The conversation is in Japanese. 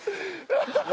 ハハハハ！